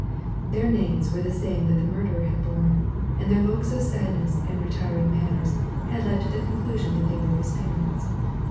Their names were the same that the murderer had borne, and their looks of sadness and retiring manners had led to the conclusion that they were his parents.